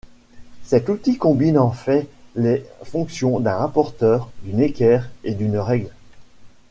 Cet outil combine en fait les fonctions d'un rapporteur, d'une équerre et d'une règle.